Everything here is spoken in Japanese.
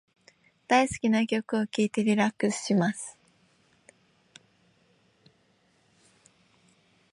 大好きな曲を聞いてリラックスします。